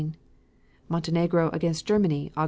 Montenegro against Germany, Aug.